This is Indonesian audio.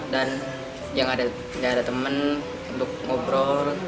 dan yang ada teman untuk ngobrol